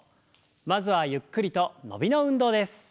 まずはゆっくりと伸びの運動です。